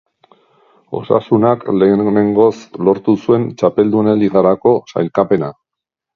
Osasunak lehenengoz lortu zuen Txapeldunen Ligarako sailkapena.